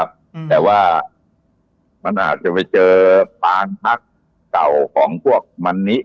อืมแต่ว่ามันอาจจะไปเจอปางพักเก่าของพวกมันนี้